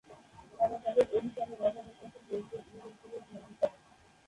তারা তাদের অধিকারের অভাবের কথা বলতে বলতে ইউরোপ জুড়ে ভ্রমণ করেন।